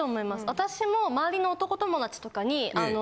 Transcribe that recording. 私も周りの男友達とかにあの。